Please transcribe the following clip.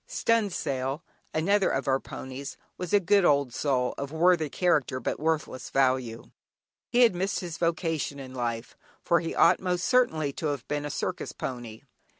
"Stunsail", another of our ponies, was a good old soul, of worthy character but worthless value. He had missed his vocation in life, for he ought most certainly to have been a circus pony.